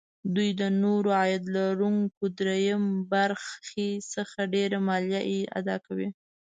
دوی د نورو عاید لرونکو دریم برخې څخه ډېره مالیه اداکوي